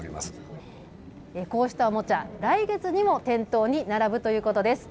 こうしたおもちゃ、来月にも店頭に並ぶということです。